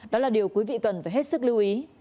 đó là điều quý vị cần phải hết sức lưu ý